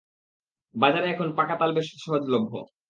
বাজারে এখন পাকা তাল বেশ সহজলভ্য।